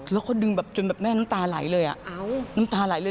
แล้วเขาดึงจนแหมน้ำตาลายเลย